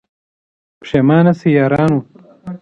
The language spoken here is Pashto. پښېمانه سئ یارانو